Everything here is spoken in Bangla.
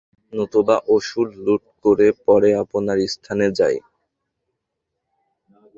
নতুবা অসুর লুঠ করে পরে আপনার স্থানে যায়।